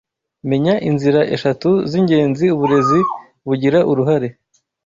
Menya inzira eshatu zingenzi uburezi bugira uruhare